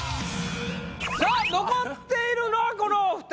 ⁉さあ残っているのはこのお２人。